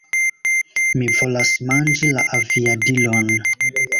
Mi volas manĝi la aviadilon!